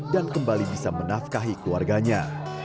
dan kembali bisa menafkahi keluarganya